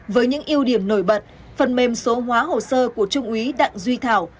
với những ưu điểm nổi bật phần mềm số hóa hồ sơ của trung úy đặng duy thảo